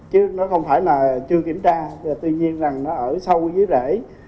chứ nó không phải là chưa kiểm tra tuy nhiên rằng nó ở sâu dưới rễ